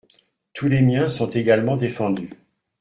Tous les miens sont également défendus.